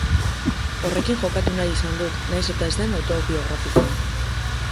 Horrekin jokatu nahi izan dut, nahiz eta ez den autobiografikoa.